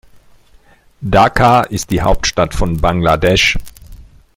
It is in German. Dhaka ist die Hauptstadt von Bangladesch.